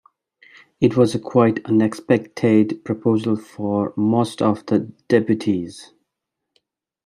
It was a quite unexpected proposal for most of the deputies.